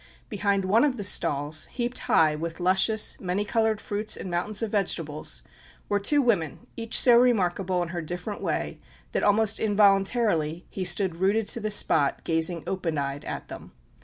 Behind one of the stalls, heaped high with luscious, many coloured fruits and mountains of vegetables, were two women, each so remarkable in her different way that, almost involuntarily, he stood rooted to the spot, gazing open eyed at them.